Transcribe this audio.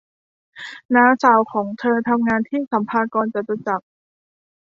น้าสาวของเธอทำงานที่สรรพากรจตุจักร